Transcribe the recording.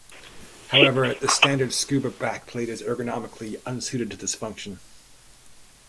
However, the standard scuba backplate is ergonomically unsuited to this function.